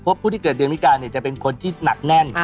เพราะผู้ที่เกิดเดือนมิกาจะเป็นคนที่หนักแน่น